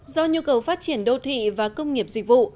do nhu cầu phát triển đô thị và công nghiệp dịch vụ